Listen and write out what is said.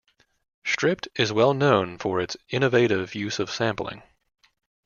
"Stripped" is well known for its innovative use of sampling.